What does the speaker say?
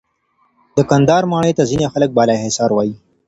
د کندهار ماڼۍ ته ځینې خلک بالاحصار وایې.